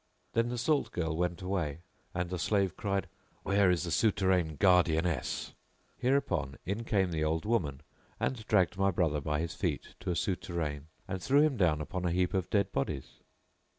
Then the salt girl went away, and the slave cried Where is the souterrain[FN#676] guardianess?" Hereupon in came the old woman and dragged my brother by his feet to a souterrain and threw him down upon a heap of dead bodies.